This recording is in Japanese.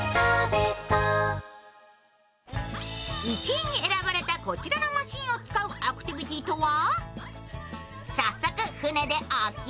１位に選ばれたこちらのマシーンを使うアクティビティーとは？